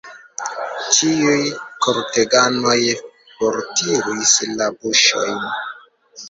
Ĉiuj korteganoj fortiris la buŝojn.